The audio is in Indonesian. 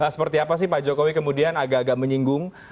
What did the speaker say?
seperti apa sih pak jokowi kemudian agak agak menyinggung